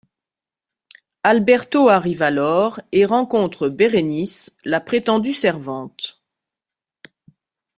Alberto arrive alors et rencontre Berenice, la prétendue servante.